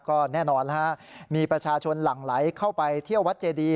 ก็แน่นอนมีประชาชนหลั่งไหลเข้าไปเที่ยววัดเจดี